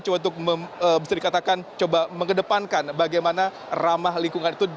coba untuk bisa dikatakan coba mengedepankan bagaimana ramah lingkungan itu